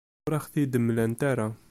Ur aɣ-ten-id-mlant ara.